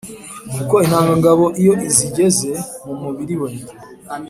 kuko intangangabo iyo zigeze mu mubiri we